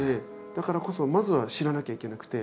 だからこそまずは知らなきゃいけなくて。